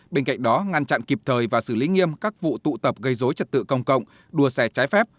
bên cạnh đó ngăn chặn kịp thời và xử lý nghiêm các vụ tụ tập gây dối trật tự công cộng đua xe trái phép